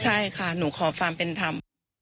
ใช่ค่ะหนูขอความเป็นธรรม